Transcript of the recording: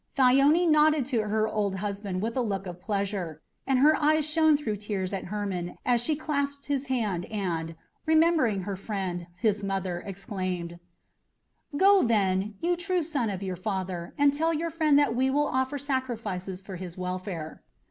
Thyone nodded to her old husband with a look of pleasure, and her eyes shone through tears at Hermon as she clasped his hand and, remembering her friend, his mother, exclaimed: "Go, then, you true son of your father, and tell your friend that we will offer sacrifices for his welfare."